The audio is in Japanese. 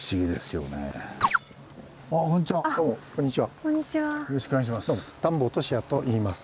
よろしくお願いします。